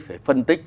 phải phân tích